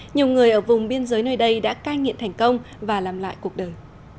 nhiều người ở vùng biên giới nơi đây đã cai nghiện thành công và làm lại cuộc đời